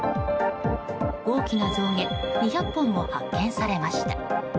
大きな象牙２００本も発見されました。